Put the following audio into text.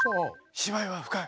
芝居は深い。